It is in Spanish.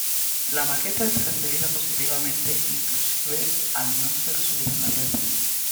La maqueta es recibida positivamente inclusive al no ser subida en la red.